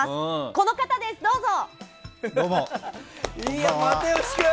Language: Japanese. この方です、どうぞ！